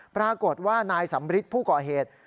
ปรากฏว่านายสำริทผู้ก่อเหตุ